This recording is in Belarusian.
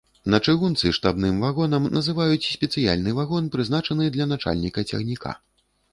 На чыгунцы штабным вагонам называюць спецыяльны вагон, прызначаны для начальніка цягніка.